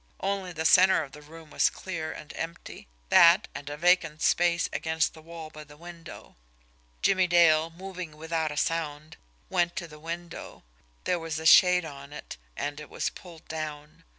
Only the centre of the room was clear and empty; that, and a vacant space against the wall by the window. Jimmie Dale, moving without sound, went to the window. There was a shade on it, and it was pulled down.